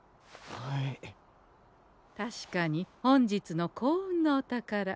確かに本日の幸運のお宝